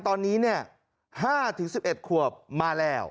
ฉีดได้หรือยังตอนนี้๕๑๑ขวบมาแล้ว